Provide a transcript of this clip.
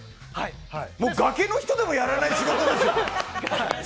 崖の人でもやらない仕事ですよ！